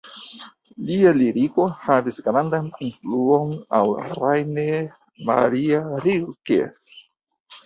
Lia liriko havis grandan influon al Rainer Maria Rilke.